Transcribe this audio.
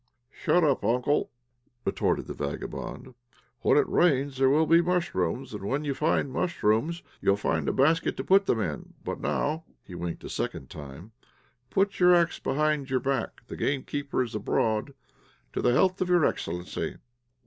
"Shut up, uncle," retorted the vagabond. "When it rains there will be mushrooms, and when you find mushrooms you will find a basket to put them in. But now" (he winked a second time) "put your axe behind your back, the gamekeeper is abroad. To the health of your excellency."